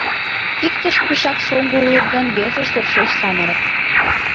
Иктышт пешак шоҥго улыт гын, весышт — йӧршеш самырык.